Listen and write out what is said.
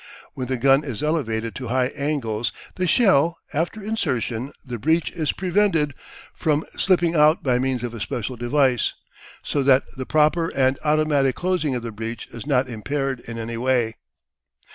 When the gun is elevated to high angles the shell, after insertion the breech is prevented from slipping out by means of a special device, so that the proper and automatic closing of the breech is not impaired in any way.